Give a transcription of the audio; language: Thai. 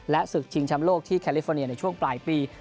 ศึกชิงชำโลกที่แคลิฟอร์เนียในช่วงปลายปี